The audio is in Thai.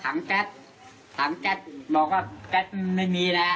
ถังเจ็ดแคบว่าเก็ดไม่มีแหละ